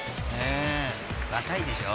⁉若いでしょ？］